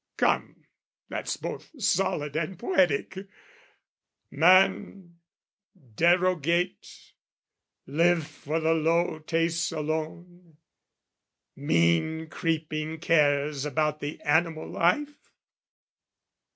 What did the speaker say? (Come, that's both solid and poetic) man Derogate, live for the low tastes alone, Mean creeping cares about the animal life?